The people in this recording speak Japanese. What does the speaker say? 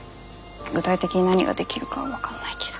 具体的に何ができるかは分かんないけど。